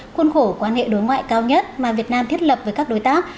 khuôn khổ quan hệ đối ngoại cao nhất mà việt nam thiết lập với các đối tác